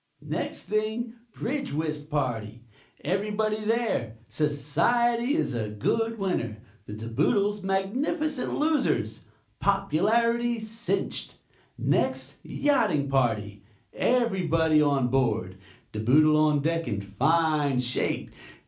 Next thing, Bridge Whist party. Everybody there. Society a good winner. The De Boodles magnificent losers. Popularity cinched. Next, yachting party. Everybody on board. De Boodle on deck in fine shape.